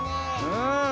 うん。